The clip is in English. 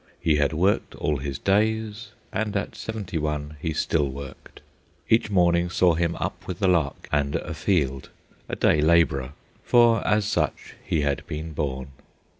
He had worked all his days, and at seventy one he still worked. Each morning saw him up with the lark and afield, a day labourer, for as such he had been born.